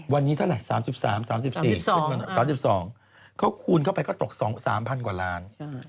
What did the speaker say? วันนี้เท่าไหร่๓๓๓๔คูณเข้าไปก็ตก๓พันกว่าล้าน